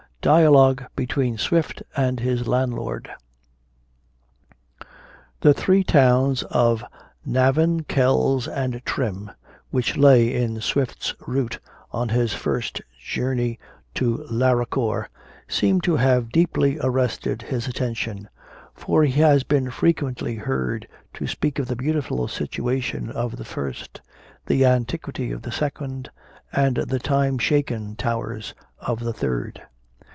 DIALOGUE BETWEEN SWIFT AND HIS LANDLORD. The three towns of Navan, Kells, and Trim, which lay in Swift's route on his first journey to Laracor, seem to have deeply arrested his attention, for he has been frequently heard to speak of the beautiful situation of the first, the antiquity of the second, and the time shaken towers of the third.